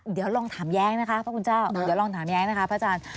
เดี๋ยวลองถามแย้งนะคะพระคุณเจ้าเดี๋ยวลองถามแย้งนะคะพระอาจารย์